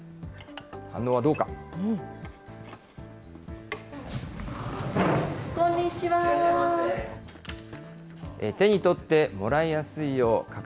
反応はどうか。